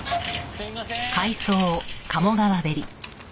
すいません。